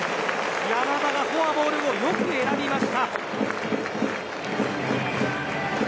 山田がフォアボールをよく選びました。